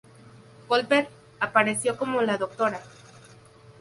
Goldberg apareció como la Dra.